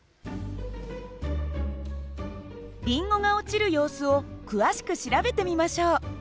リンゴが落ちる様子を詳しく調べてみましょう。